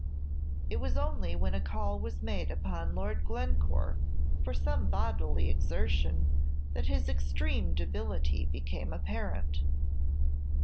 It was only when a call was made upon Lord Glencore for some bodily exertion that his extreme debility became apparent.